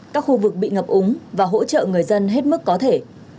các khu vực bị ngập úng và hỗ trợ người dân hết mức có thể